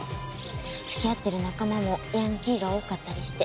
付き合ってる仲間もヤンキーが多かったりして。